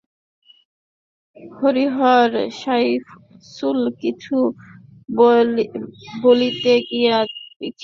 হরিহর সায়সূচক কিছু বলিতে গিয়া পিছন ফিরিয়া বলিল, ছেলেটা আবার কোথায় গেল?